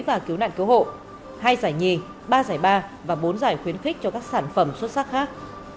và cứu nạn cứu hộ hai giải nhì ba giải ba và bốn giải khuyến khích cho các sản phẩm xuất sắc khác